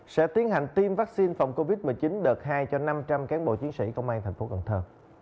sẽ tiến hành tiêm vaccine phòng covid một mươi chín đợt hai cho năm trăm linh cán bộ chiến sĩ công an thành phố cần thơ